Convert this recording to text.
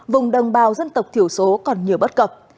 vùng đồng bào dân tộc thiểu số còn nhiều bất cập